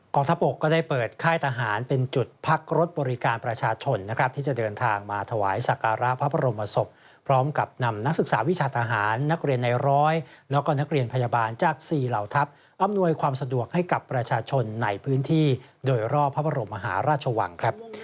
ทัพบกก็ได้เปิดค่ายทหารเป็นจุดพักรถบริการประชาชนนะครับที่จะเดินทางมาถวายสักการะพระบรมศพพร้อมกับนำนักศึกษาวิชาทหารนักเรียนในร้อยแล้วก็นักเรียนพยาบาลจาก๔เหล่าทัพอำนวยความสะดวกให้กับประชาชนในพื้นที่โดยรอบพระบรมมหาราชวังครับ